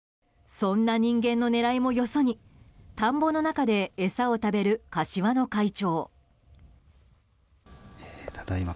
そんな人間の狙いもよそに田んぼの中で餌を食べる柏の怪鳥。